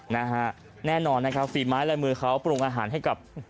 แน่นอนนะครับฝีไม้ลายมือเขาปรุงอาหารให้กับ